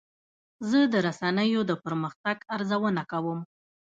زه د رسنیو د پرمختګ ارزونه کوم.